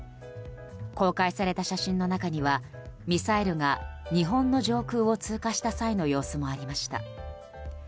公開された写真の中にはミサイルが日本の上空を通過した際の様子もありました。